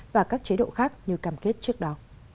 và các chế độ khác như cam kết trước đó